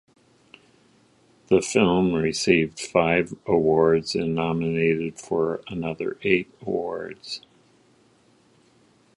The film received five awards and nominated for another eight awards.